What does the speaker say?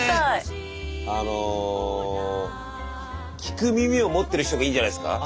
あの聞く耳を持ってる人がいいんじゃないんすか？